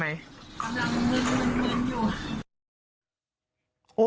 กำลังมืนมืนมืนมืนอยู่